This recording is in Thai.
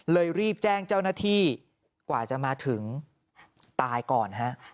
รีบแจ้งเจ้าหน้าที่กว่าจะมาถึงตายก่อนฮะ